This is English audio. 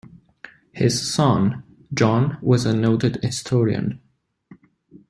His son, John was a noted historian.